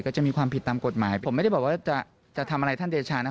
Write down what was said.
จะมีความผิดตามกฎหมายผมไม่ได้บอกว่าจะจะทำอะไรท่านเดชานะ